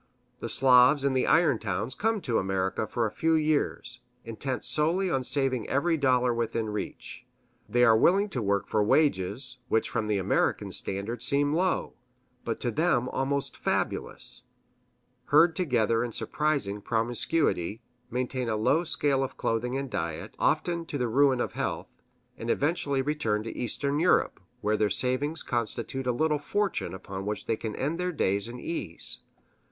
The Slavs in the iron towns come to America for a few years, intent solely on saving every dollar within reach. They are willing to work for wages which from the American standard seem low, but to them almost fabulous; herd together in surprising promiscuity; maintain a low scale of clothing and diet, often to the ruin of health; and eventually return to Eastern Europe, where their savings constitute a little fortune upon which they can end their days in ease.